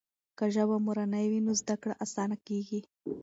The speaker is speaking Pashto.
که ژبه مورنۍ وي نو زده کړه اسانه کېږي.